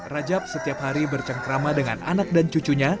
rajab setiap hari bercengkrama dengan anak dan cucunya